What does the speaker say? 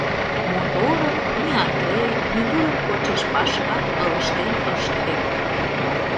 Моторым ни Андрей, ни тудын почеш Пашка ылыжтен ышт керт.